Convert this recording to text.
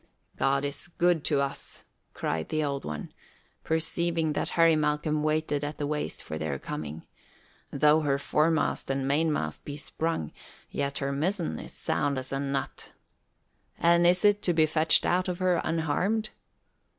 "God is good to us," cried the Old One, perceiving that Harry Malcolm waited at the waist for their coming. "Though her foremast and mainmast be sprung, yet her mizzen is sound as a nut." "And is it to be fetched out of her unharmed?"